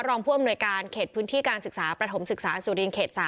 รองผู้อำนวยการเขตพื้นที่การศึกษาประถมศึกษาสุรินเขต๓